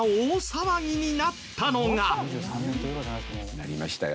なりましたよ。